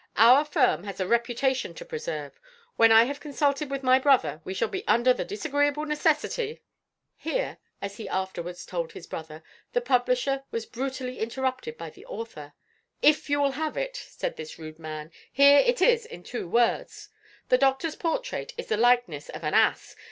Our firm has a reputation to preserve. When I have consulted with my brother, we shall be under the disagreeable necessity " Here (as he afterwards told his brother) the publisher was brutally interrupted by the author: "If you will have it," said this rude man, "here it is in two words. The doctor's portrait is the likeness of an ass.